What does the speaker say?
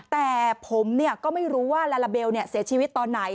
แต่ผมก็ไม่รู้ว่าลาลาเบลเสียชีวิตตอนไหน